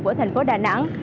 của thành phố đà nẵng